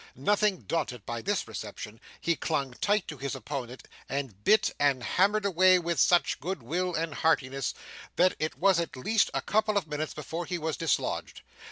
Nothing daunted by this reception, he clung tight to his opponent, and bit and hammered away with such good will and heartiness, that it was at least a couple of minutes before he was dislodged.